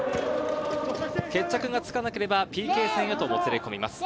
決着がつかなければＰＫ戦へともつれ込みます。